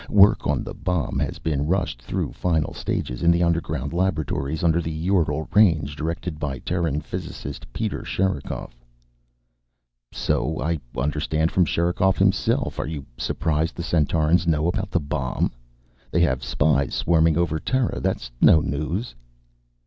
Work on the bomb has been rushed through final stages in the underground laboratories under the Ural Range, directed by the Terran physicist Peter Sherikov." "So I understand from Sherikov himself. Are you surprised the Centaurans know about the bomb? They have spies swarming over Terra. That's no news."